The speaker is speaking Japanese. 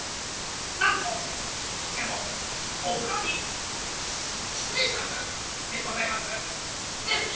なんとしてもおふろにしつれいしますでございますですよ！